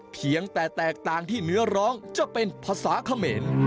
เพียงแต่แตกต่างที่เนื้อร้องจะเป็นภาษาเขมร